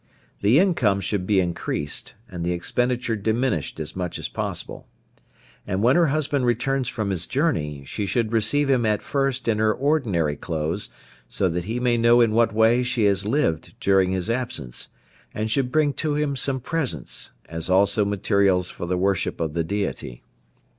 The income should be increased, and the expenditure diminished as much as possible. And when her husband returns from his journey, she should receive him at first in her ordinary clothes, so that he may know in what way she has lived during his absence, and should bring to him some presents, as also materials for the worship of the Deity.